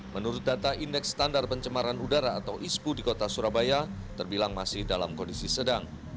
menurut data indeks standar pencemaran udara atau ispu di kota surabaya terbilang masih dalam kondisi sedang